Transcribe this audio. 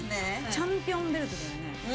チャンピオンベルトだよね。